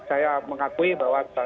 saya mengakui bahwa